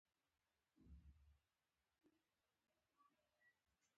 هغه د کندهار یو پېژندل شوی پایلوچ و.